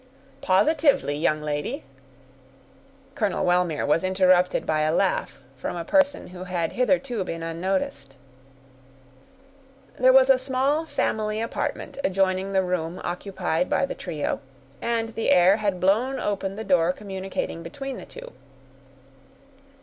"Positively, young lady"—Colonel Wellmere was interrupted by a laugh from a person who had hitherto been unnoticed. There was a small family apartment adjoining the room occupied by the trio, and the air had blown open the door communicating between the two.